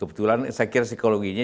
kebetulan saya kira psikologinya